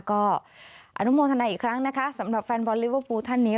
ก็อนุโมทนาอีกครั้งนะคะสำหรับแฟนบอลลิเวอร์ฟูลท่านนี้